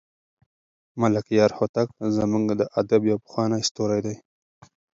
ملکیار هوتک زموږ د ادب یو پخوانی ستوری دی.